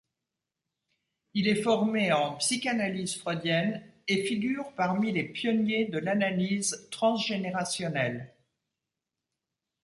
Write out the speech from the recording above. Il est formé en psychanalyse freudienne et figure parmi les pionniers de l’analyse transgénérationnelle.